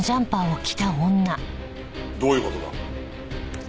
どういう事だ？